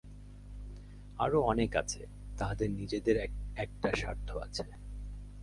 আরও অনেক আছে, তাহাদের নিজেদের এক-একটা স্বার্থ আছে।